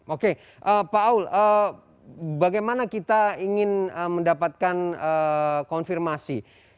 oke pak aul bagaimana kita ingin mendapatkan konfirmasi